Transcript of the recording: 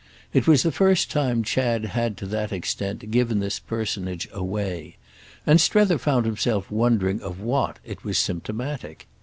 It was the first time Chad had to that extent given this personage "away"; and Strether found himself wondering of what it was symptomatic.